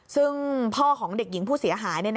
ซึ่งพ่อของเด็กหญิงผู้เสียหาย